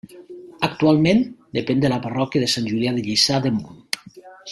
Actualment depèn de la parròquia de Sant Julià de Lliçà d'Amunt.